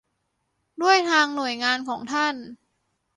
ด้วยทางหน่วยงานของท่าน